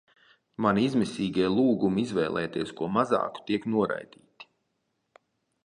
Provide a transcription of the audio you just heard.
Mani izmisīgie lūgumi izvēlēties ko mazāku tiek noraidīti.